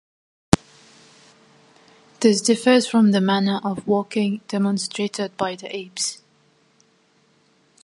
This differs from the manner of walking demonstrated by the apes.